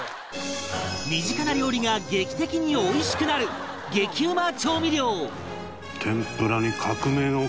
身近な料理が劇的においしくなる激ウマ調味料！